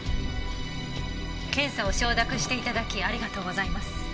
検査を承諾して頂きありがとうございます。